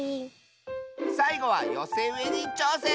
さいごはよせうえにちょうせん！